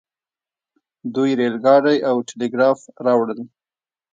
دوی ریل ګاډی او ټیلیګراف راوړل.